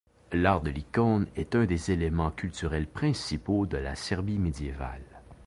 L'art de l'icône est un des éléments culturels principaux de la Serbie médiévale.